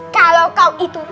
kalau kau itu